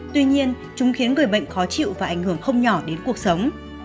tuy nhiên chúng khiến người bệnh khó chịu và ảnh hưởng không nhỏ đến cuộc sống